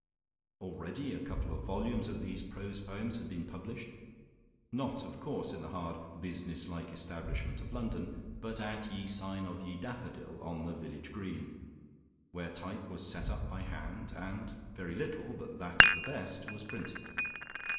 Already a couple of volumes of these prose poems had been published, not of course in the hard business like establishment of London, but at "Ye Sign of ye Daffodil," on the village green, where type was set up by hand, and very little, but that of the best, was printed.